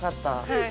はい。